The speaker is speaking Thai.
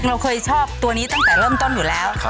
เราเคยชอบตัวนี้ตั้งแต่เริ่มต้นอยู่แล้ว